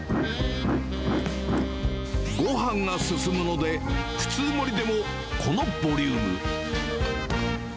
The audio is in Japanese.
ごはんが進むので、普通盛りでもこのボリューム。